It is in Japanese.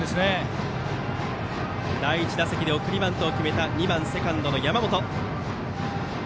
打席には第１打席で送りバントを決めた２番、セカンドの山本。